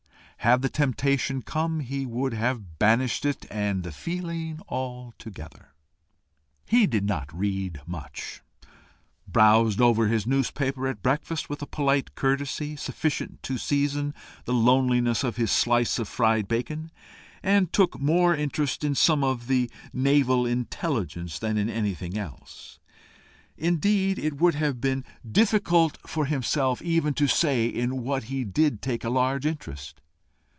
Had the temptation come, he would have banished it and the feeling together. He did not read much, browsed over his newspaper at breakfast with a polite curiosity, sufficient to season the loneliness of his slice of fried bacon, and took more interest in some of the naval intelligence than in anything else. Indeed it would have been difficult for himself even to say in what he did take a large interest.